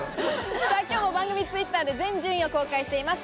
今日も番組Ｔｗｉｔｔｅｒで全順位を公開しています。